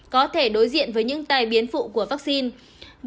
có thể đối diện với những tai biến phụ của vaccine